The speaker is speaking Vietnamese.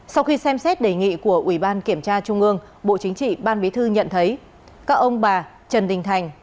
sau khi xem xét đề nghị của ubkt bộ chính trị ban bí thư nhận thấy các ông bà trần đình thành